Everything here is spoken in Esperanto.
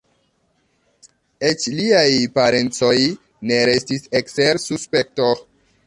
Eĉ liaj parencoj ne restis ekster suspekto.